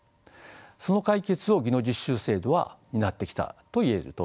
その解決を技能実習制度は担ってきたと言えると思います。